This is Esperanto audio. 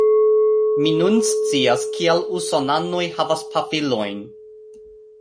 Mi nun scias kial usonanoj havas pafilojn